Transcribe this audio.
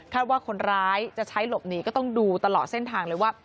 ว่าคนร้ายจะใช้หลบหนีก็ต้องดูตลอดเส้นทางเลยว่า